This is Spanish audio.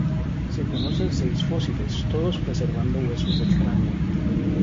Se conocen seis fósiles, todos preservando huesos del cráneo.